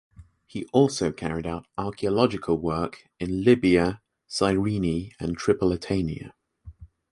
He also carried out archaeological work in Libya, Cyrene and Tripolitania.